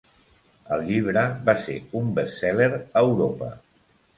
El llibre va ser un best-seller a Europa.